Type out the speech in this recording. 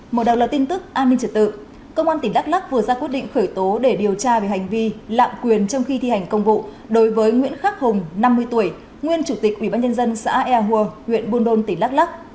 một đầu là tin tức an ninh trật tự công an tỉnh đắk lắc vừa ra quyết định khởi tố để điều tra về hành vi lạm quyền trong khi thi hành công vụ đối với nguyễn khắc hùng năm mươi tuổi nguyên chủ tịch ubnd xã ea hùa huyện buôn đôn tỉnh đắk lắc